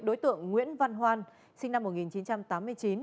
đối tượng nguyễn văn hoan sinh năm